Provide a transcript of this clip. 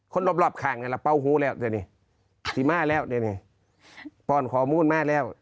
คนรอบรอบข่างอ่ะละเป้าหูแล้วเดี๋ยวนี้ที่มาแล้วเดี๋ยวนี้พรขอมูลมาแล้ว